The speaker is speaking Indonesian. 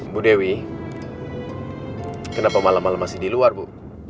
bu dewi kenapa malam malam masih di luar bu